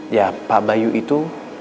ya pak bayu itu